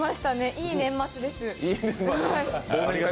いい年末です。